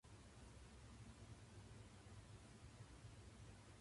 ごはんおいしい。